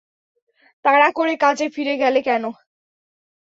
তাড়া করে কাজে ফিরে গেলে কেন?